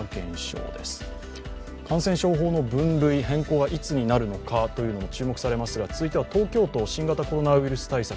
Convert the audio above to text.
感染症法の分類・変更がいつになるのかも注目されますが、続いては東京都新型コロナウイルス対策。